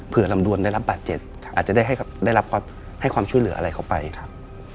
เพื่อลำดวนได้รับบาดเจ็บอาจจะได้รับให้ความช่วยเหลืออะไรเข้าไปครับ